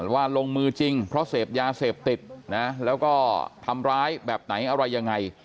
ลงมือจริงเพราะเสพยาเสพติดนะแล้วก็ทำร้ายแบบไหนอะไรยังไง